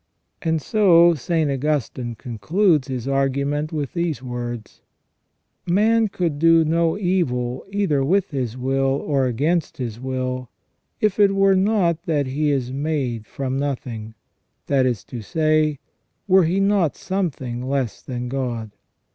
And so St. Augustine concludes his argument with these words :" Man could do no evil either with his will or against his will, if it were not that he is made from nothing, that is to say, were he not something less than God.